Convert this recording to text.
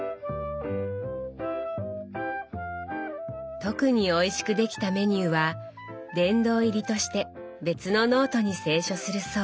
特においしくできたメニューは「殿堂入り」として別のノートに清書するそう。